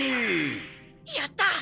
やった！